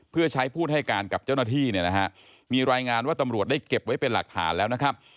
เพื่อใช้พูดให้การกับเจ้าหน้าที่เนี่ยนะฮะมีรายงานว่าตำรวจได้เก็บไว้เป็นหลักฐานแล้วนะครับ